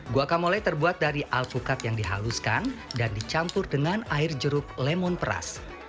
guacamole terbuat dari alpukat yang dihaluskan dan dicampur dengan air jeruk lemon peras